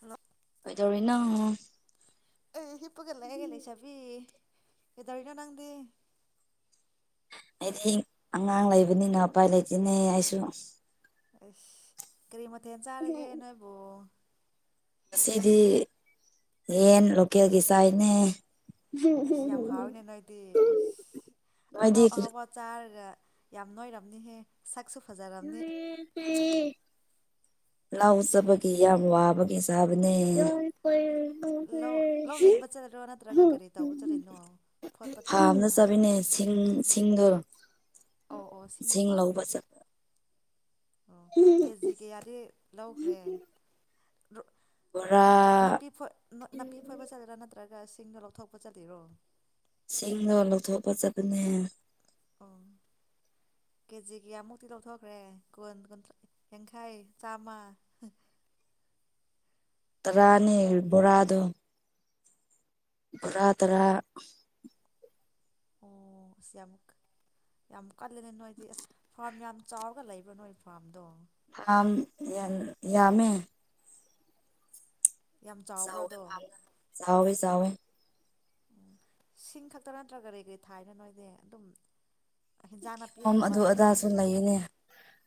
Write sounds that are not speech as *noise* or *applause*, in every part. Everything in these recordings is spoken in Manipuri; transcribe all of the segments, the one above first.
ꯍꯜꯂꯣ ꯀꯩꯗꯧꯔꯤꯅꯣ ꯑꯦ ꯍꯤꯞꯄꯒ ꯂꯩꯌꯦ ꯂꯩꯁꯥꯕꯤ ꯀꯩꯗꯧꯔꯤꯅꯣ ꯅꯪꯗꯤ ꯑꯩꯗꯤ ꯑꯉꯥꯡ ꯂꯩꯕꯅꯤꯅ ꯎꯄꯥꯏ ꯂꯩꯇꯦꯅꯦ ꯑꯩꯁꯨ ꯑꯥꯏꯁ ꯀꯔꯤ ꯃꯊꯦꯟ ꯆꯥꯔꯒꯦ ꯅꯣꯏꯕꯨ ꯉꯁꯤꯗꯤ ꯌꯦꯟ ꯂꯣꯀꯦꯜꯒꯤ ꯆꯥꯏꯅꯦ ꯑꯦꯁ ꯌꯥꯝ ꯍꯥꯎꯋꯤꯅꯦ ꯅꯣꯏꯗꯤ ꯏꯁ ꯅꯣꯏꯗꯤ ꯑꯍꯥꯎ ꯑꯍꯥꯎꯕ ꯆꯥꯔꯒ ꯌꯥꯝ ꯅꯣꯏꯔꯝꯅꯤꯍꯦ ꯁꯛꯁꯨ ꯐꯖꯔꯝꯅꯤ *unintelligible* ꯂꯥꯎ ꯆꯕꯒꯤ ꯌꯥꯝ ꯋꯥꯕ ꯀꯦ ꯆꯥꯕꯅꯦ *unintelligible* ꯂꯧ ꯂꯧ ꯂꯤꯡꯕ ꯆꯠꯂꯤꯔꯣ ꯅꯠꯇ꯭ꯔꯒ ꯀꯔꯤ ꯇꯧꯕ ꯆꯠꯂꯤꯅꯣ ꯐꯣꯠꯄ ꯆꯠꯂꯤꯅꯣ *unintelligible* ꯆꯥꯕꯤꯅꯦ ꯁꯤꯡ ꯁꯤꯡꯗꯣ ꯑꯣ ꯑꯣ ꯁꯤꯡꯒꯤ ꯁꯤꯡ ꯄꯥꯝ ꯂꯧꯕ ꯆꯠꯄ ꯑꯣ ꯀꯦꯖꯤ ꯀꯌꯥꯗꯤ ꯂꯧꯈ꯭ꯔꯦ ꯕꯣꯔꯥ ꯅꯥꯄꯤ ꯐꯣꯏ ꯅꯥꯄꯤ ꯐꯣꯏꯕ ꯆꯠꯂꯤꯔꯥ ꯅꯠꯇ꯭ꯔꯒ ꯁꯤꯡꯗꯣ ꯂꯧꯊꯣꯛꯄ ꯆꯠꯂꯤꯔꯣ ꯁꯤꯡꯗꯣ ꯂꯧꯊꯣꯛꯄ ꯆꯠꯄꯅꯦ ꯑꯣ ꯀꯦꯖꯤ ꯀꯌꯥꯃꯨꯛꯇꯤ ꯂꯧꯊꯣꯛꯈ꯭ꯔꯦ ꯀꯨꯟ ꯀꯨꯟꯊꯔꯥ ꯌꯥꯡꯈꯩ ꯆꯥꯝꯃ ꯇꯔꯥꯅꯤ ꯕꯣꯔꯥꯗꯣ ꯕꯣꯔꯥ ꯇꯔꯥ ꯑꯣ ꯑꯁ ꯌꯥꯝ ꯀ ꯌꯥꯝ ꯀꯜꯂꯦꯅꯦ ꯅꯣꯏꯗꯤ ꯑꯁ ꯐꯥꯔꯝ ꯌꯥꯝ ꯆꯥꯎꯔꯒ ꯂꯩꯕ꯭ꯔꯥ ꯅꯣꯏ ꯐꯥꯔꯝꯗꯣ ꯐꯥꯝ ꯌꯥꯝ ꯌꯥꯝꯃꯦ ꯌꯥꯝ ꯆꯥꯎꯋꯦ ꯆꯥꯎꯕ꯭ꯔꯥꯗꯣ ꯐꯥꯝꯅ ꯆꯥꯎꯋꯦ ꯆꯥꯎꯋꯦ ꯎꯝ ꯁꯤꯡ ꯈꯛꯇ ꯅꯠꯇ꯭ꯔ ꯀꯔꯤ ꯀꯔꯤ ꯊꯥꯏꯅꯣ ꯅꯣꯏꯗꯤ ꯑꯗꯨꯝ ꯍꯤꯟꯖꯥꯡ ꯀꯤꯍꯣꯝ ꯅꯥꯄꯤꯒꯨꯝꯕ ꯑꯗꯨ ꯑꯗꯨꯝ ꯑꯗꯥꯁꯨ ꯊꯥꯏꯔꯥ ꯂꯩꯌꯦꯅꯦ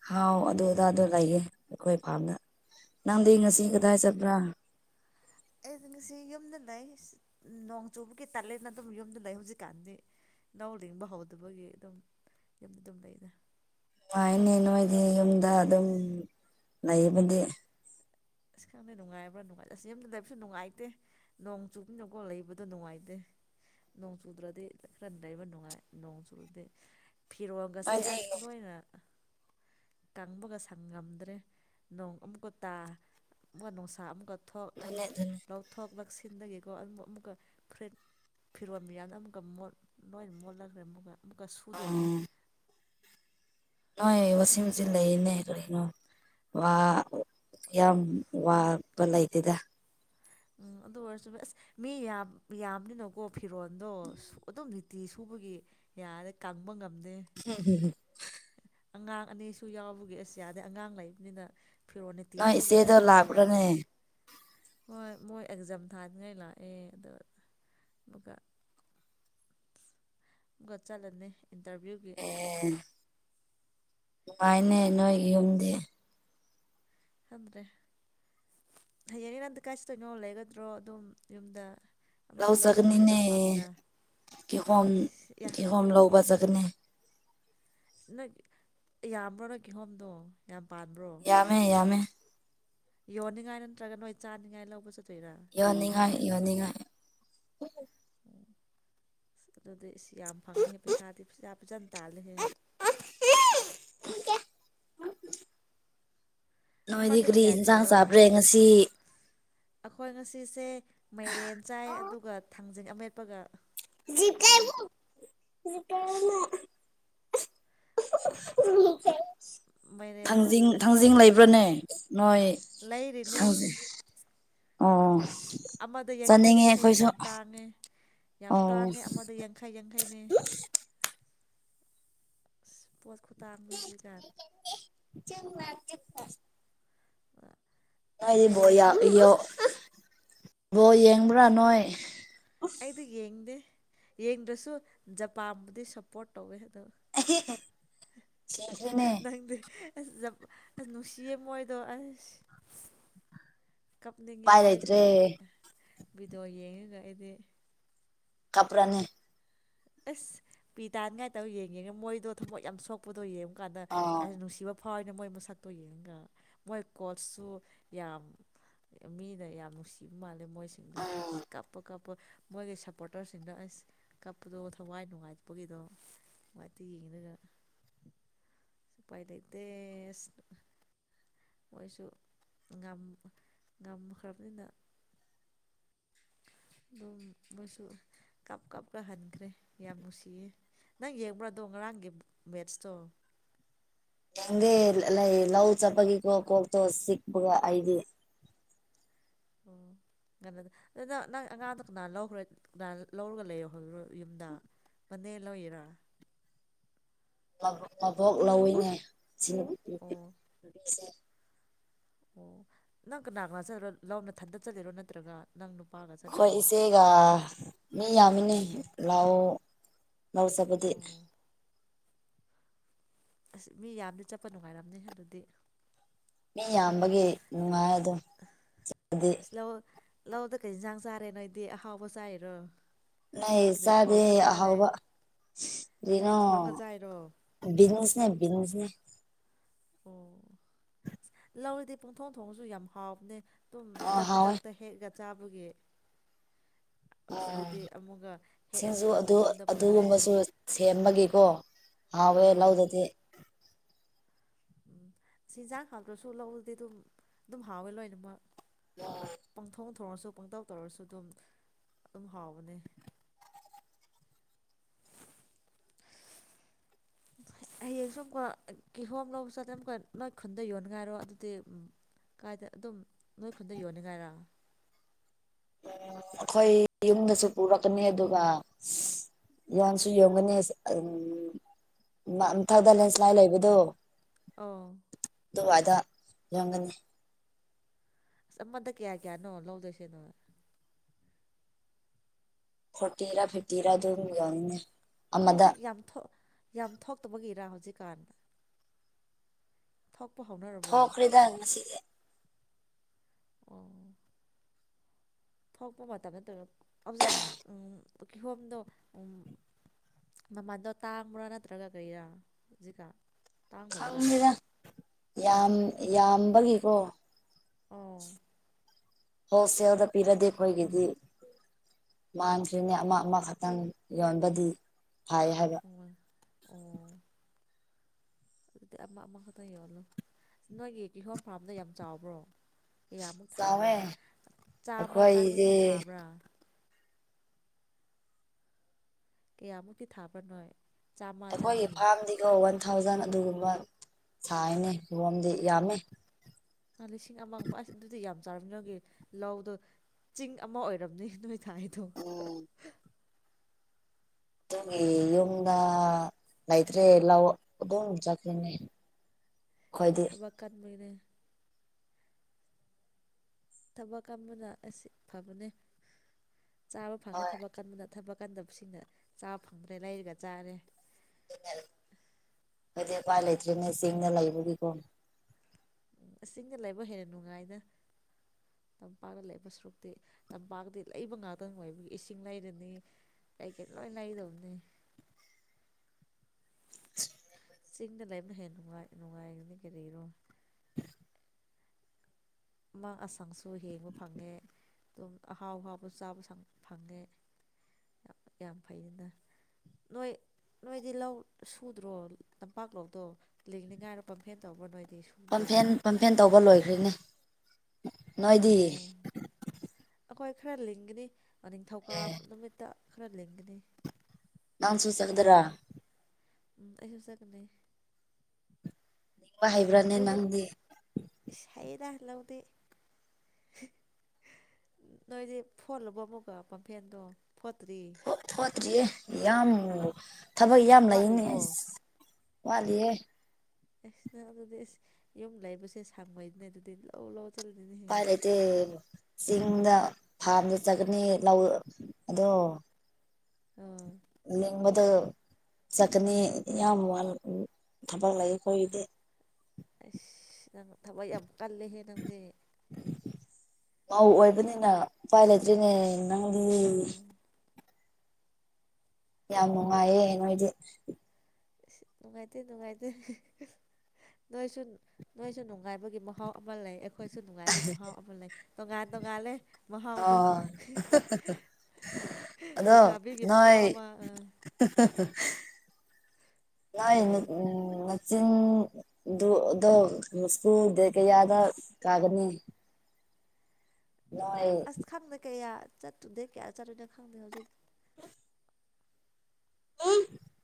ꯍꯥꯎ ꯑꯗꯨ ꯑꯣ ꯗꯑꯗꯨ ꯂꯩꯌꯦ ꯑꯩꯈꯣꯏ ꯐꯥꯔꯝꯗ ꯅꯪꯗꯤ ꯑꯣ ꯉꯁꯤ ꯀꯗꯥꯏ ꯑꯁ ꯆꯠꯄ꯭ꯔꯥ ꯑꯩꯗꯤ ꯉꯁꯤ ꯌꯨꯝꯗ ꯂꯩ ꯑꯩꯁꯨ ꯎꯝ ꯅꯣꯡ ꯆꯨꯕꯒꯤ ꯇꯜꯂꯦꯅ ꯑꯗꯨꯝ ꯌꯨꯝꯗ ꯂꯩ ꯍꯧꯖꯤꯛꯀꯥꯟꯗꯤ ꯂꯧ ꯂꯤꯡꯕ ꯍꯧꯗꯕꯒꯤ ꯑꯗꯨꯝ ꯌꯨꯝꯗ ꯑꯗꯨꯝ ꯂꯩꯗ ꯅꯨꯡꯉꯥꯏꯌꯦꯅꯦ ꯅꯣꯏꯗꯤ ꯌꯨꯝꯗ ꯑꯗꯨꯝ ꯂꯩꯕꯗꯤ ꯑꯁ ꯈꯪꯗꯦ ꯅꯨꯡꯉꯥꯏꯕ꯭ꯔꯥ ꯅꯨꯡꯉꯥꯏ ꯑꯁ ꯌꯥꯝ ꯂꯩꯕꯁꯨ ꯅꯨꯡꯉꯥꯏꯇꯦ ꯅꯣꯡ ꯆꯨꯕꯤꯅꯀꯣ ꯂꯩꯕꯗꯣ ꯅꯨꯡꯉꯥꯏꯇꯦ ꯅꯣꯡ ꯆꯨꯗ꯭ꯔꯗꯤ ꯈꯔ ꯂꯩꯕ ꯅꯨꯡꯉꯥꯏ ꯅꯣꯡ ꯆꯨꯨꯔꯗꯤ ꯐꯤꯔꯣꯜꯒꯁꯦ ꯅꯣꯏꯗꯤ ꯑꯁ ꯂꯣꯏꯅ ꯀꯪꯕꯒ ꯁꯪ ꯉꯝꯗ꯭ꯔꯦ ꯅꯣꯡ ꯑꯃꯨꯛꯀ ꯇꯥ ꯑꯃꯨꯛꯀ ꯅꯨꯡꯁꯥ ꯑꯃꯨꯛꯀ ꯊꯣꯛ ꯑꯗꯨꯅꯦ ꯑꯗꯨꯅꯦ ꯂꯧꯊꯣꯛ ꯂꯧꯁꯤꯟꯗꯒꯤꯀꯣ ꯑꯃꯨꯛꯀ ꯐꯨꯔꯤꯠ ꯐꯤꯔꯣꯜ ꯃꯌꯥꯝꯅ ꯑꯃꯨꯛꯀ ꯃꯣꯠ ꯂꯣꯏꯅ ꯃꯣꯠꯂꯈ꯭ꯔꯦ ꯑꯃꯨꯛꯀ ꯑꯃꯨꯛꯀ ꯁꯨꯗꯣꯏꯅꯦ ꯎꯝ ꯅꯣꯏ ꯋꯥꯁꯤꯡ ꯃꯦꯆꯤꯟ ꯂꯩꯌꯦꯅꯦ ꯀꯔꯤꯅꯣ ꯋꯥ ꯌꯥꯝ ꯎꯝ ꯋꯥꯕ ꯂꯩꯇꯦꯗ ꯎꯝ ꯑꯗꯨ ꯑꯣꯏꯔꯁꯨ ꯑꯁ ꯃꯤ ꯌꯥꯝꯅꯤꯅꯀꯣ ꯐꯤꯔꯣꯟꯗꯣ ꯑꯁ ꯑꯗꯨꯝ ꯂꯤꯠ ꯇꯤ ꯁꯨꯕꯒꯤ ꯌꯥꯔꯦ ꯀꯪꯕ ꯉꯝꯗꯦ *unintelligible* ꯑꯉꯥꯡ ꯑꯅꯤꯁꯨ ꯌꯥꯎꯕꯒꯤ ꯑꯁ ꯌꯥꯗꯩ ꯑꯉꯥꯡ ꯂꯩꯕꯅꯤꯅ꯫ ꯐꯤꯔꯣꯅꯤꯇꯤ ꯅꯣꯏ ꯁꯨꯗ꯭ꯔꯗꯤ ꯏꯆꯦꯗꯣ ꯑꯃꯨꯛꯀ ꯂꯥꯛꯄ꯭ꯔꯥꯅꯦ ꯌꯥꯗꯦ꯫ ꯍꯣꯏ ꯃꯣꯏ ꯑꯦꯛꯖꯥꯝ ꯊꯥꯅꯤꯡꯉꯥꯏ ꯂꯥꯛꯑꯦ ꯑꯗꯣ ꯑꯃꯨꯛꯀ ꯑꯗꯨꯒ ꯆꯠꯂꯅꯤ ꯏꯟꯇꯔꯚꯤꯌꯨꯒꯤ꯫ ꯑꯦ ꯅꯨꯡꯉꯥꯏꯅꯦ ꯅꯣꯏꯒꯤ ꯌꯨꯝꯗꯤ *unintelligible* ꯍꯌꯦꯡꯅꯦ ꯅꯪꯗꯤ ꯀꯥꯏꯆꯠꯇꯣꯏꯅꯣ ꯂꯩꯒꯗ꯭ꯔꯣ ꯑꯗꯨꯝ ꯌꯨꯝꯗ꯫ ꯂꯧ ꯑꯃꯨꯛꯀ ꯆꯠꯇꯣꯏꯔꯥ ꯆꯠꯀꯅꯤꯅꯦ ꯐꯥꯔꯝꯗ ꯌꯥ ꯀꯤꯍꯣꯝ-ꯀꯤꯍꯣꯝ ꯂꯧꯕ ꯆꯠꯀꯅꯦ꯫ ꯅꯪ ꯌꯥꯝꯕ꯭ꯔꯣ ꯅꯣꯏ ꯀꯤꯍꯣꯝꯗꯣ ꯌꯥꯝ ꯄꯥꯟꯕ꯭ꯔꯣ? ꯌꯥꯝꯃꯦ-ꯌꯥꯝꯃꯦ꯫ ꯌꯣꯟꯅꯤꯡꯉꯥꯏ ꯅꯠꯇ꯭ꯔꯒ ꯅꯣꯏ ꯆꯥꯅꯤꯡꯉꯥꯏ ꯂꯧꯕ ꯆꯠ ꯇꯣꯏꯔꯥ ꯌꯣꯟꯅꯤꯡꯉꯥꯏ ꯌꯣꯟꯅꯤꯉꯥꯏ꯫ ꯌꯣꯟꯅꯤꯡꯉꯥꯏ ꯑꯁ ꯑꯗꯨꯗꯤ ꯏꯁ ꯌꯥꯝ ꯐꯪꯅꯤꯍꯦ ꯄꯩꯁꯥꯗꯤ ꯐꯖꯥ- ꯐꯖꯅ ꯇꯥꯜꯂꯍꯦ꯫ ꯅꯣꯏꯗꯤ ꯑꯃꯗ ꯀꯔꯤ ꯀꯌꯥ ꯌꯦꯟꯁꯥꯡ ꯀꯌꯥꯔꯣ ꯆꯥꯕ꯭ꯔꯦ ꯉꯁꯤ? ꯑꯩꯈꯣꯏ ꯉꯁꯤꯁꯦ ꯃꯩꯔꯦꯟ ꯆꯥꯏ ꯑꯗꯨꯒ ꯊꯥꯡꯖꯤꯡ ꯑꯃꯦꯠꯄꯒ ꯆꯥꯏ꯫ *unintelligible* ꯃꯥꯏꯔꯦꯟꯗꯣ ꯑꯁ ꯊꯥꯡꯖꯤꯡ-ꯊꯥꯡꯖꯤꯡ ꯂꯩ꯫ ꯕ꯭ꯔꯅꯦ ꯅꯣꯏ ꯂꯩꯔꯤꯅꯦ ꯊꯝꯒꯦ ꯑꯣ ꯑꯃꯗ ꯌꯥꯡꯈꯩ ꯆꯥꯅꯤꯡꯉꯦ ꯌꯥꯡꯈꯩꯅꯦ ꯑꯩꯈꯣꯏꯁꯨ ꯌꯥꯝ ꯇꯥꯡꯉꯦ ꯌꯥꯝ ꯑꯣ ꯇꯥꯡꯉꯦ ꯑꯃꯗ ꯌꯥꯡꯈꯩ ꯌꯥꯡꯈꯩꯅꯦ꯫ ꯎꯁ ꯄꯣꯠ ꯈꯨꯇꯥꯡꯃꯅꯤ ꯍꯧꯖꯤꯛꯀꯥꯟ꯫ ꯑ *unintelligible* ꯕꯣꯜ ꯌꯦꯡꯕ꯭ꯔꯥ ꯅꯣꯏ꯫ ꯑꯩꯗꯤ ꯌꯦꯡꯗꯦ ꯌꯦꯡꯗ꯭ꯔꯁꯨ ꯖꯄꯥꯝꯕꯨꯗꯤ ꯁꯞꯄꯣꯔꯠ ꯇꯧꯋꯦ ꯑꯗꯣ ꯑꯍꯦ-ꯍꯦ꯫ ꯅꯪꯗꯤ ꯑꯁ-ꯖꯞ-ꯑꯁ ꯅꯨꯡꯁꯤꯌꯦ ꯃꯣꯏꯗꯣ ꯑꯁ꯫ ꯀꯞꯅꯤꯡꯉꯤ ꯎꯄꯥꯏ ꯂꯩꯇ꯭ꯔꯦ ꯃꯣꯏꯒꯤ ꯚꯤꯗꯣ ꯌꯦꯡꯉꯒ ꯑꯩꯗꯤ꯫ *unintelligible* ꯑꯁ ꯄꯤ ꯇꯥꯅꯤ ꯀꯥꯏꯅ ꯇꯧ ꯌꯦꯡꯉꯦ ꯃꯣꯏꯗꯣ ꯊꯃꯣꯏ ꯌꯥꯝ ꯁꯣꯛꯄꯗꯣ ꯌꯦꯡꯕꯨ ꯀꯥꯟꯗ ꯑꯣ ꯀꯥꯏꯁꯨ ꯅꯨꯡꯁꯤꯕ ꯐꯥꯎꯑꯅꯦ ꯃꯣꯏ ꯃꯁꯛꯇꯨ ꯌꯦꯡꯉꯒ ꯃꯣꯏ ꯀꯣꯠꯁꯨ ꯌꯥꯝ ꯃꯤꯅ ꯌꯥꯝ ꯅꯨꯡꯁꯤ꯫ ꯀꯤꯕ ꯃꯥꯜꯂꯦ ꯃꯣꯏꯁꯤꯡꯗꯣ ꯎꯝ ꯑꯁ ꯀꯥꯞꯄ-ꯀꯥꯞꯄ ꯃꯣꯏꯒꯤ ꯁꯞꯄꯣꯔꯇꯔꯁꯤꯡꯗꯣ ꯑꯁ ꯀꯞꯄꯗꯣ ꯊꯋꯥꯏ ꯅꯨꯡꯉꯥꯏꯇꯄꯒꯤ ꯑꯗꯣꯝ ꯅꯨꯡꯉꯥꯏꯇ ꯌꯦꯡꯉꯒ ꯎꯄꯥꯏ ꯂꯩꯇꯦ ꯑꯁ꯫ ꯃꯣꯏꯁꯨ ꯉꯝ-ꯉꯝꯈ꯭ꯔꯕꯅꯤꯅ꯫ ꯑꯗꯨꯝ ꯃꯣꯏꯁꯨ ꯀꯞ-ꯀꯞꯀ ꯍꯟꯈ꯭ꯔꯦ ꯌꯥꯝ ꯅꯨꯡꯁꯤꯌꯦ, ꯅꯪ ꯌꯦꯡꯕ꯭ꯔꯥꯗꯣ ꯉꯔꯥꯡꯒꯤ ꯃꯦꯠꯁꯇꯣ? ꯌꯦꯡꯗꯦ ꯂꯩ-ꯂꯧ ꯆꯄꯒꯤ ꯀꯣꯛꯇꯣ ꯆꯤꯛꯄꯒ ꯑꯩꯗꯤ꯫ ꯑꯣ ꯉꯟꯅꯗ ꯑꯗꯨ ꯅꯪ-ꯅꯪ ꯑꯉꯥꯡꯗꯣ ꯀꯅꯥ ꯂꯧꯈ꯭ꯔꯦ ꯀꯅꯥ ꯂꯧꯔꯒ ꯂꯩꯌꯣ ꯍꯧ ꯌꯨꯝꯗ ꯄꯅꯦ ꯂꯧꯏꯔ? ꯃꯕꯣꯛ ꯂꯧꯏꯅꯦ ꯁꯤ꯫ ꯅꯨꯄꯤꯁꯦ ꯑꯣ *inaudible* ꯑꯣ ꯅꯪ ꯀꯅꯥ ꯀꯅꯥ ꯆꯠꯂꯔꯣ ꯂꯧ ꯅꯊꯟꯗ ꯆꯠꯂꯤꯔꯣ ꯅꯠꯇ꯭ꯔꯒ ꯅꯪ ꯅꯨꯄꯥꯒ ꯑꯩꯈꯣꯏ ꯆꯠꯂꯤꯔꯣ ꯏꯆꯦꯒ ꯃꯤ ꯌꯥꯝꯃꯤꯅꯤ ꯑꯣ ꯂꯑꯣ ꯂꯧ ꯆꯠꯄꯗꯤ꯫ ꯑꯣ ꯑꯁ ꯃꯤ ꯌꯥꯝꯃꯗꯤ ꯆꯠꯄ ꯅꯨꯡꯉꯥꯏꯔꯝꯅꯤ ꯑꯗꯨꯗꯤ꯫ ꯃꯤ ꯌꯥꯝꯕꯒꯤ ꯅꯨꯡꯉꯥꯏ ꯑꯗꯨꯝ-ꯗꯤ ꯂꯧ ꯂꯧꯗ ꯀꯩ ꯌꯦꯟꯁꯥꯡ ꯆꯥꯔꯦ ꯅꯣꯏꯗꯤ ꯑꯍꯥꯎꯕ ꯆꯥꯏꯔꯣ ꯅ ꯀꯔꯤ ꯆꯥꯗꯦ ꯊꯣꯡꯉꯒ ꯆꯥꯔꯦ ꯑꯍꯥꯎꯕ ꯀꯔꯤ ꯑꯗꯨꯅꯣ ꯊꯣꯡꯉꯒ ꯆꯥꯏꯔꯣ ꯕꯤꯖꯤꯁꯅꯦ ꯕꯤꯖꯤꯁꯅꯦ ꯑꯣ ꯑꯁ ꯂꯧꯔꯗꯤ ꯄꯣꯡꯊꯣꯡ ꯊꯣꯡꯁꯨ ꯌꯥꯝ ꯍꯥꯎꯕꯅꯦ ꯑꯗꯨꯨꯝ ꯑ ꯈꯨꯗꯛ ꯍꯥꯎꯋꯦ ꯈꯨꯗꯛꯇ ꯍꯦꯛꯒ ꯆꯥꯕꯒꯤ ꯎꯝ ꯑꯁꯤꯗꯗꯤ ꯑꯃꯨꯛꯀ ꯁꯤꯡꯁꯨ ꯍꯦꯛꯑꯅꯤ ꯑꯃꯨꯛꯀ ꯑꯗꯨ ꯌꯨꯝꯗ ꯄꯨꯔꯛꯑꯦ ꯑꯗꯨꯒꯨꯝꯕꯁꯨ ꯁꯦꯝꯃꯒꯦꯀꯣ ꯍꯕꯦ ꯂ ꯑꯥ ꯂꯧꯗꯗꯤ ꯎꯝ ꯆꯤꯟꯖꯥꯛ ꯍꯥꯡꯇ꯭ꯔꯁꯨ ꯂꯧꯗꯤ ꯑꯗꯨꯝ ꯑꯗꯨꯝ ꯍꯥꯎꯋꯦ ꯂꯣꯏꯅꯃꯛ ꯄꯪꯊꯣꯡ ꯊꯣꯡꯁꯨ ꯄꯪꯇꯧ ꯇꯧꯔꯁꯨ ꯑꯗꯨꯝ ꯑꯗꯨꯝ ꯍꯥꯎꯕꯅꯦ ꯍꯌꯦꯡꯁꯨ ꯑꯃꯨꯛꯀ ꯀꯤꯍꯣꯝ ꯂꯧꯕ ꯆꯠꯇꯦ ꯑꯃꯨꯛꯀ ꯅꯣꯏ ꯈꯨꯟꯗ ꯌꯣꯟ ꯉꯥꯏꯔꯣ ꯑꯗꯨꯗꯤ ꯎ ꯀꯥꯏꯗ ꯑꯗꯨꯝ ꯅꯣꯏ ꯈꯨꯟꯗ ꯌꯣꯟꯅꯤ ꯉꯥꯏꯔ ꯑꯩꯈꯣꯏ ꯌꯨꯝꯗꯁꯨ ꯄꯨꯔꯛꯀꯅꯤ ꯑꯗꯨꯒ ꯌꯣꯟꯁꯨ ꯌꯣꯟꯒꯅꯤ ꯎ ꯊꯗ ꯑꯝ ꯂꯦꯟꯁꯂꯥꯏ ꯂꯩꯕꯗꯣ ꯑꯧ ꯑꯗꯨꯋꯥꯏꯗ ꯌꯒꯅꯤ ꯑꯁ ꯑꯃꯗ ꯀꯌꯥ ꯀꯌꯥꯅꯣ ꯂꯧꯗꯣꯏꯁꯅꯣ ꯐꯣꯔꯇꯤꯔꯥ ꯐꯤꯐꯇꯤꯔ ꯑꯗꯨꯝ ꯌꯥꯎꯅꯤꯅꯦ ꯍꯧꯖꯤꯛ ꯌꯥꯝ ꯌꯥꯝ ꯊꯣꯛꯇꯕꯒꯤꯔ ꯍꯧꯖꯤꯛꯀꯥꯟꯗ ꯊꯣꯛꯄ ꯍꯧꯅꯔꯕꯣ *unintelligible* ꯑꯣ ꯊꯣꯛꯄ ꯃꯇꯝ ꯅꯠꯇꯔꯣ ꯍꯧꯖꯤꯛ ꯎꯝ ꯀꯤꯍꯣꯝꯗꯣ ꯎꯝ ꯃꯃꯜꯗꯣ ꯇꯥꯡꯕ꯭ꯔꯥ ꯅꯠꯇ꯭ꯔꯒ ꯀꯩꯔꯥ ꯍꯧꯖꯤꯛꯀꯥ ꯈꯪꯗꯦꯅ ꯌꯥꯝ ꯌꯥꯝꯕꯒꯤꯀꯣ ꯑꯥ ꯍꯣꯁꯦꯜꯗ ꯄꯤꯔꯗꯤ ꯑꯩꯈꯣꯏꯒꯤꯗꯤ ꯃꯥꯟꯈ꯭ꯔꯤꯅꯦ ꯑꯃ ꯑꯃꯈꯛꯇꯪ ꯌꯣꯟꯕꯗꯤ ꯐꯩ ꯍꯥꯏꯕ ꯑꯣ ꯑꯗꯨꯗꯤ ꯑꯃ ꯑꯃꯈꯛꯇ ꯌꯣꯜꯂꯨ ꯅꯣꯏꯒꯤ ꯀꯤꯍꯣꯝ ꯐꯥꯔꯝꯗ ꯌꯥꯝ ꯆꯥꯎꯕ꯭ꯔꯣ ꯀꯌꯥꯃꯨꯛ ꯊꯥꯕ꯭ꯔꯥ ꯆꯥꯎꯋꯦ ꯍꯥꯏ ꯆꯥꯝꯃ ꯆꯅꯤ ꯑꯩꯈꯣꯏꯗꯤ ꯑꯗꯨꯝ ꯊꯥꯕ꯭ꯔꯥ ꯀꯌꯥꯃꯨꯛꯇꯤ ꯊꯥꯕ꯭ꯔꯥꯅꯣꯏ ꯑꯩꯈꯣꯏꯒꯤ ꯐꯥꯔꯝꯗꯤꯀꯣ ꯋꯥꯟ ꯊꯥꯎꯖꯟ ꯑꯗꯨꯒꯨꯝꯕ ꯊꯥꯏꯅꯦ ꯀꯤꯍꯣꯝꯗꯤ ꯌꯥꯝꯃꯤ ꯑ ꯂꯤꯁꯤꯡ ꯑꯃꯒꯨꯝꯕ ꯑꯁ ꯑꯗꯨꯗꯤ ꯌꯥꯝ ꯆꯥꯔꯝꯔꯒꯤ ꯂꯧꯗꯣ ꯆꯤꯡ ꯑꯃ ꯑꯣꯏꯔꯝꯅꯤ ꯅꯣꯏ ꯊꯥꯏꯗꯣ ꯎꯝ ꯑꯗꯨꯒꯤ ꯌꯨꯝꯗ ꯂꯩꯇ꯭ꯔꯦ ꯂꯥꯎ ꯑꯗꯨꯝ ꯆꯠꯈꯔꯦꯅꯦ *inaudible* ꯏꯁ ꯊꯕꯛ ꯀꯟꯕꯩꯅꯦ ꯊꯕꯛ ꯀꯝꯕꯅ ꯑꯁꯤ ꯐꯕꯅꯦ ꯆꯥꯕ ꯐꯪꯉꯦ ꯍꯣꯏ ꯊꯕꯛ ꯀꯟꯕ ꯅ ꯊꯕꯛꯀꯟꯗꯕꯁꯤꯡꯅ ꯆꯥꯕ ꯐꯪꯗ꯭ꯔꯦ ꯂꯩꯔꯒ ꯆꯥꯔꯦ ꯑꯩꯗꯤ ꯎꯄꯥꯏ ꯂꯩꯇ꯭ꯔꯦꯅꯦ ꯆꯤꯡꯗ ꯂꯩꯕꯒꯤꯀꯣ ꯎꯝ ꯏꯁꯤꯡꯅ ꯂꯩꯕ ꯍꯦꯟꯅ ꯅꯨꯡꯉꯥꯏꯗ ꯇꯝꯄꯥꯛꯇ ꯂꯩꯕ ꯁꯔꯨꯛꯇꯤ ꯇꯝꯄꯥꯛꯇꯤ ꯂꯩꯕ ꯉꯥꯛꯇ ꯑꯣꯏꯕꯒꯤ ꯏꯁꯤꯡ ꯂꯩꯔꯅꯤ ꯀꯩꯀꯩ ꯂꯣꯏ ꯂꯩꯗꯨꯝꯅꯤ ꯆꯤꯡꯗ ꯂꯩꯕꯅ ꯍꯦꯟꯅ ꯅꯨꯡꯉꯥꯏ ꯅꯨꯡꯉꯥꯏꯒꯅꯤ ꯀꯔꯤꯔꯣ *unintelligible* ꯃꯥ ꯑꯁꯪꯁꯨ ꯍꯦꯡꯕ ꯐꯪꯉꯦ ꯑꯗꯨꯝ ꯑꯍꯥꯎ ꯑꯍꯥꯎꯕꯁꯨ ꯆꯥꯕ ꯁꯪ ꯐꯪꯉꯦ ꯌꯥꯝ ꯐꯩꯌꯦꯅ ꯅꯣꯏ ꯅꯣꯏꯗꯤ ꯂꯧ ꯁꯨꯗ꯭ꯔꯣ ꯇꯝꯄꯥꯛ ꯂꯧꯗꯣ ꯂꯤꯡꯅꯤꯡꯉꯥꯏꯔꯣ ꯄꯝꯐꯦꯟ ꯇꯧꯕ꯭ꯔꯥ ꯅꯣꯏꯗꯤ ꯁꯨꯕ꯭ꯔꯣ ꯄꯝꯐꯦꯟ ꯄꯝꯐꯦꯟ ꯇꯧꯕ ꯂꯣꯏꯈ꯭ꯔꯦꯅꯦ ꯅꯣꯏꯗꯤ ꯑꯣ ꯑꯩꯈꯣꯏ ꯈꯔ ꯂꯤꯡꯒꯅꯤ ꯅꯤꯡꯊꯧꯀꯥ ꯅꯨꯃꯤꯠꯇ ꯈꯔ ꯂꯤꯡꯒꯅꯤ ꯅꯪꯁꯨ ꯆꯠꯂꯗꯔ ꯎꯝ ꯑꯩ ꯁꯩ ꯆꯠꯀꯅꯤ ꯂꯤꯡꯕ ꯍꯩꯕ꯭ꯔꯥꯅꯦ ꯅꯣꯏꯗꯤ ꯅꯪꯗꯤ ꯏꯁ ꯍꯩꯌꯦꯗ ꯂꯧꯗꯤ ꯅꯣꯏꯗꯤ ꯐꯣꯠꯂꯕꯣ ꯑꯃꯨꯛꯀ ꯄꯝꯐꯦꯟꯗꯣ ꯐꯣꯠꯇ꯭ꯔꯤ ꯊꯣꯠꯇ꯭ꯔꯤꯌꯦ ꯌꯥꯝ ꯊꯕꯛ ꯌꯥꯝ ꯂꯩꯅꯦ ꯋꯥꯠꯂꯤꯕꯣ ꯑꯁ ꯋꯥꯠꯂꯤꯌꯦ ꯑꯦꯁ ꯅꯪ ꯑꯗꯨꯗꯤ ꯑꯁ ꯌꯨꯝ ꯂꯩꯕꯁꯦ ꯁꯪꯉꯣꯏꯅꯦ ꯑꯗꯨꯗꯤ ꯂꯧ ꯂꯧ ꯆꯠꯂꯤꯅꯦꯍꯦ ꯇꯦ ꯆꯤꯡꯗ ꯐꯥꯔꯝꯗ ꯆꯠꯒꯅꯤ ꯂꯧ ꯑꯗꯣ ꯎꯝ ꯂꯤꯡꯕꯗ ꯆꯠꯀꯅꯤ ꯌꯥꯝ ꯋꯥꯏ ꯊꯕꯛ ꯂꯩ ꯑꯩꯈꯣꯏꯗꯤ ꯑꯁ ꯅꯪ ꯊꯕꯛ ꯌꯥꯝ ꯀꯜꯂꯦꯍꯦ ꯅꯪꯗꯤ ꯃꯧ ꯑꯣꯏꯕꯅꯤꯅ ꯎꯄꯥꯏ ꯂꯩꯇ꯭ꯔꯤꯅꯦ ꯅꯪꯗꯤ ꯑꯣ ꯌꯥꯝ ꯅꯨꯡꯉꯥꯏꯌꯦ ꯅꯣꯏꯗꯤ ꯏꯁ ꯅꯨꯡꯉꯥꯏꯇꯦ ꯅꯨꯡꯉꯥꯏꯇꯦ ꯅꯣꯏꯁꯨ ꯅꯣꯏꯁꯨ ꯅꯨꯡꯉꯥꯏꯕꯒꯤ ꯃꯍꯥꯎ ꯑꯃ ꯂꯩ ꯑꯩꯈꯣꯏꯁꯨ ꯅꯨꯡꯉꯥꯏ ꯃꯍꯥꯎ ꯑꯃ ꯂꯩ ꯇꯣꯡꯉꯟ ꯇꯣꯡꯉꯟ ꯂꯦ ꯑ ꯃꯍꯥꯎꯗꯣ ꯑꯗꯣ ꯂꯩꯁꯥꯕꯤꯒꯤ ꯃꯍꯥꯎ ꯅꯣꯏ ꯑꯃ ꯑꯥ *unintelligible* ꯀꯔꯤ *unintelligible* ꯆꯤꯡꯗꯨꯗꯣ ꯁꯀꯨꯜꯗ ꯀꯌꯥꯗ ꯀꯥꯒꯅꯤ ꯅꯣꯏ ꯑꯁ ꯈꯪꯗꯦ ꯀꯌꯥ ꯆꯠꯇꯨꯗꯦ ꯀꯌꯥ ꯆꯠꯇꯂꯨꯅꯣ ꯈꯪꯗꯦ ꯍꯧꯖꯤꯛꯇ *unintelligible*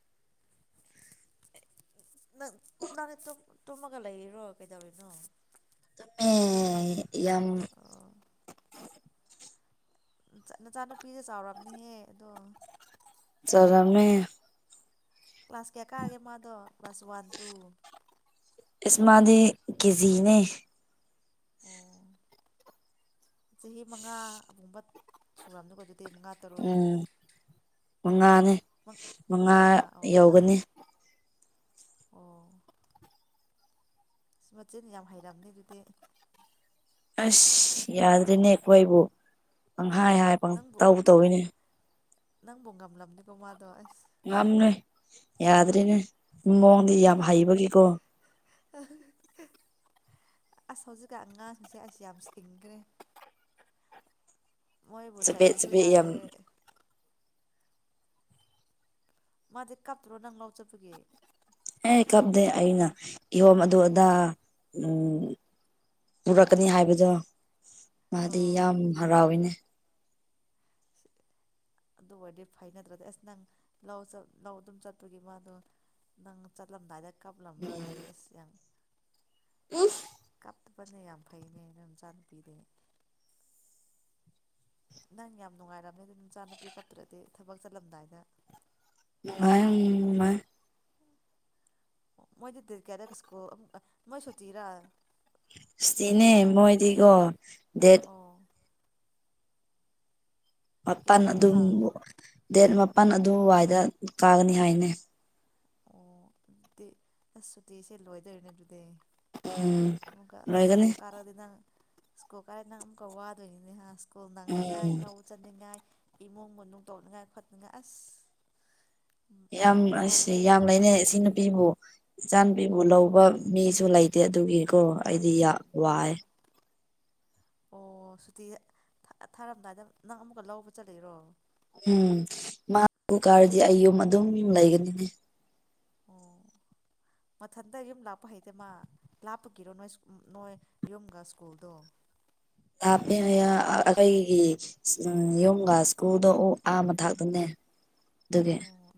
ꯅꯪ ꯅꯪꯅꯦ ꯇꯨꯝꯃꯒ ꯂꯩꯔꯣ ꯀꯩꯗꯧꯔꯤꯅꯣ ꯑ ꯌꯥꯝ ꯑꯥ ꯅꯆꯥꯅꯨꯄꯤꯁꯦ ꯆꯥꯎꯔꯔꯕꯅꯤꯍꯦ ꯑꯗꯣ ꯆꯔꯝꯃꯦ ꯀ꯭ꯂꯥꯁ ꯀꯌꯥ ꯀꯥꯔꯒꯦ ꯃꯥꯗꯣ ꯀ꯭ꯂꯥꯁ ꯋꯥꯟ ꯇꯨ ꯏꯁꯃꯥꯗꯤ ꯀꯖꯤꯅꯦ ꯑꯣ ꯆꯍꯤ ꯃꯉꯥ ꯑꯕꯨꯡꯕ ꯁꯨꯔꯝꯗꯕ ꯑꯗꯨꯗꯤ ꯃꯉꯥ ꯇꯔꯨꯛ ꯎꯝ ꯃꯉꯥꯅꯤ ꯃꯪ ꯃꯉꯥ ꯌꯧꯒꯅꯤ ꯑꯣ ꯑ ꯃꯆꯤꯟ ꯌꯥꯝ ꯍꯩꯔꯝꯅꯦ ꯑꯗꯨꯗꯤ ꯑꯁ ꯌꯥꯗ꯭ꯦꯅꯦ ꯑꯩꯈꯣꯏ ꯑꯩꯕꯨ ꯄꯪꯍꯥꯏ ꯍꯥꯏ ꯄꯪ ꯅꯪꯕꯨ ꯇꯧ ꯇꯧꯋꯤꯅꯦ ꯅꯪꯕꯨ ꯉꯝꯂꯝꯕꯅꯤꯀꯣ ꯃꯥꯗꯣ ꯑꯁ ꯉꯝꯃꯦ ꯌꯥꯗ꯭ꯔꯔꯤꯅꯦ ꯃꯑꯣꯡꯗꯤ ꯌꯥꯝ ꯍꯩꯕꯒꯤꯀꯣ *unintelligible* ꯑꯁ ꯍꯧꯖꯤꯛꯀ ꯑꯉꯥꯡꯁꯤꯡꯁꯦ ꯑꯩꯁ ꯌꯥꯝ ꯁꯦꯡꯈ꯭ꯔꯦ ꯃꯣꯏꯕꯨ ꯆꯄꯦ ꯆꯩꯕꯁꯨ ꯆꯄ ꯌꯥꯝ ꯌꯥꯝ ꯌꯥꯗꯦ ꯃꯥꯗꯤ ꯀꯥꯞꯇ꯭ꯔꯣ ꯅꯪ ꯂꯥꯎꯖꯕꯒꯤ ꯑꯦ ꯀꯞꯗꯦ ꯑꯩꯅ ꯏꯍꯣꯝ ꯑꯗꯨ ꯑꯗꯥ ꯎꯝ ꯎꯔꯛꯀꯅꯤ ꯍꯥꯏꯕꯗꯣ ꯃꯥꯗꯤ ꯑꯣ ꯌꯥꯝ ꯍꯔꯥꯎꯏꯅꯦ *inaudible* ꯑꯗꯨ ꯑꯣꯏꯔꯗꯤ ꯐꯅꯗ꯭ꯔꯗꯤ ꯑꯁ ꯅꯪ ꯂꯧ ꯂꯧ ꯑꯗꯨꯝ ꯆꯠꯄꯒꯤ ꯃꯥꯗꯣ ꯅꯪ ꯆꯠꯂꯝꯗꯥꯏꯗ ꯀꯥꯞꯂꯝꯕ꯭ꯔꯣ ꯑꯗꯨꯗꯤ ꯑꯁ ꯌꯥ *unintelligible* ꯀꯥꯞꯇꯄꯅ ꯌꯥꯝ ꯐꯩꯅꯦ ꯑꯩꯅ ꯏꯆꯥ ꯅꯨꯨꯄꯤꯗꯤ ꯅꯪ ꯌꯥꯝ ꯅꯨꯡꯉꯥꯏꯔꯝꯅꯦ ꯑꯗꯨ ꯅꯨꯆꯥ ꯅꯨꯄꯤ ꯀꯞꯇ꯭ꯔꯗꯤ ꯊꯕꯛ ꯆꯠꯂꯝꯗꯥꯏꯗ *unintelligible* ꯑꯣ ꯃꯣꯏꯗꯤꯗꯤꯔ ꯀꯌꯥꯗꯒ ꯁꯀꯨꯜ ꯃꯣꯏ ꯁꯨꯇꯤꯔꯥ ꯁꯤꯅꯦ ꯃꯣꯏꯗꯤ ꯃꯣꯏꯗꯤ ꯀꯣ ꯗꯦꯠ ꯑꯣ ꯃꯥꯄꯜ ꯀꯌꯥꯗ ꯑꯗꯨꯝ ꯑꯃꯨꯛꯀ ꯗꯦꯠ ꯃꯥꯄꯜ ꯑꯗꯨꯋꯥꯏꯗ ꯀꯥꯒꯅꯤ ꯍꯥꯏꯅꯤ ꯑꯣ ꯑꯗꯨꯗꯤ ꯑꯁ ꯁꯨꯇꯤꯁꯦ ꯂꯣꯏꯗꯣꯏꯔꯤꯅꯦ ꯑꯗꯨꯗꯤ ꯎꯝ ꯃꯀ ꯂꯣꯏꯒꯅꯤ ꯁꯀꯨꯜ ꯀꯥꯔꯗꯅ ꯁ꯭ꯀꯨꯜ ꯀꯥꯏ ꯅꯪ ꯑꯃꯨꯛꯀ ꯋꯥꯗꯣꯏꯅꯤꯍ ꯁ꯭ꯀꯨꯜ ꯅꯪꯅꯤꯡꯉꯥꯏ ꯂꯧ ꯆꯅꯤꯡꯉꯥꯏ ꯏꯃꯨꯡ ꯃꯅꯨꯡ ꯇꯧꯅꯤꯡꯉꯥꯏ ꯈꯣꯠꯅꯉꯥꯏ ꯑꯁ ꯌꯥꯝ ꯑꯁꯦ ꯃꯧꯗꯤ ꯌꯥꯝ ꯂꯩꯅꯦ ꯏ ꯁꯤ ꯅꯨꯄꯤꯕꯨ ꯏꯆꯥ ꯅꯨꯨꯄꯤꯕꯨ ꯂꯧꯕ ꯃꯤꯁꯨ ꯂꯩꯇꯦ ꯑꯗꯨꯒꯤꯀꯣ ꯑꯩꯗꯤ ꯋꯥꯏ ꯑꯣ ꯑꯣ ꯁꯨꯇꯤ ꯊꯥꯔꯝꯗꯥꯏꯗ ꯅꯪ ꯑꯃꯨꯛꯀ ꯂꯧꯕ ꯆꯠꯂꯔꯣ ꯎꯝ ꯃꯥꯕꯨ ꯀꯥꯔꯗꯤ ꯑꯩ ꯌꯨꯝ ꯑꯗꯨꯝ ꯌꯨꯝ ꯂꯩꯒꯅꯤꯅꯦ ꯑꯣ *unintelligible* ꯃꯊꯟꯇ ꯌꯨꯝ ꯂꯥꯛꯄ ꯍꯩꯇꯦ ꯃꯥ ꯂꯥꯞꯄꯒꯤꯔꯣ ꯅꯣꯏ ꯅꯣꯏ ꯌꯨꯝꯒ ꯁ꯭ꯀꯨꯜꯗꯣ ꯍꯥꯞꯄꯤ ꯑꯩꯈꯣꯏꯒꯤ ꯎꯝ ꯌꯨꯝꯒꯥ ꯁ꯭ꯀꯨꯗꯣ ꯑꯥ ꯃ ꯊꯥꯛꯇꯅꯦ ꯑꯗꯨꯒꯤ ꯑꯣ